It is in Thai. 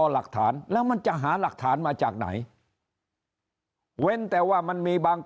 หลักฐานแล้วมันจะหาหลักฐานมาจากไหนเว้นแต่ว่ามันมีบาง